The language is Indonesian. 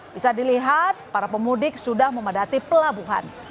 bisa dilihat para pemudik sudah memadati pelabuhan